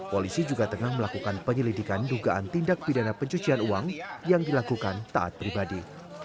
polisi juga tengah melakukan penyelidikan dugaan tindak pidana pencucian uang yang dilakukan taat pribadi